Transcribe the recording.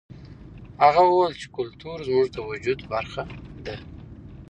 هغه وویل چې کلتور زموږ د وجود برخه ده.